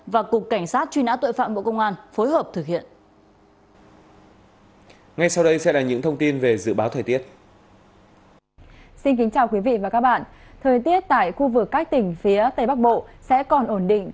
và cục cảnh sát truy nã tội phạm bộ công an phối hợp thực hiện